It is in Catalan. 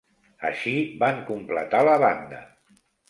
Així van completar la banda.